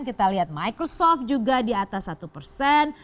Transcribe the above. kita lihat microsoft juga di atas satu persen